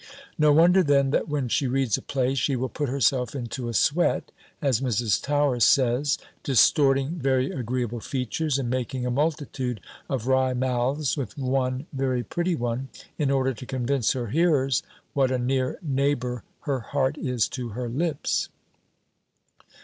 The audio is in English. No wonder then, that when she reads a play, she will put herself into a sweat, as Mrs. Towers says; distorting very agreeable features, and making a multitude of wry mouths with one very pretty one, in order to convince her hearers, what a near neighbour her heart is to her lips.